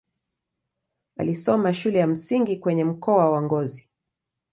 Alisoma shule ya msingi kwenye mkoa wa Ngozi.